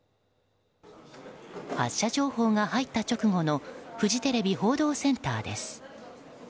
発射情報が入った直後のフジテレビ報道センターです。